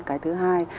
cái thứ hai